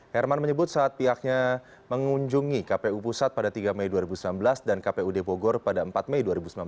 herman menyebut saat pihaknya mengunjungi kpu pusat pada tiga mei dua ribu sembilan belas dan kpud bogor pada empat mei dua ribu sembilan belas